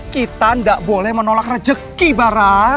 kita nggak boleh menolak rezeki barah